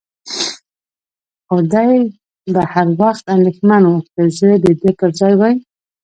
خو دی به هر وخت اندېښمن و، که زه د ده پر ځای وای.